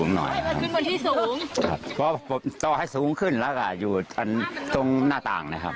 หน่อยให้มันขึ้นบนที่สูงครับเพราะผมต่อให้สูงขึ้นแล้วก็อยู่ตรงหน้าต่างนะครับ